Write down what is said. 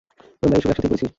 আমরা এসব একসাথেই করেছি।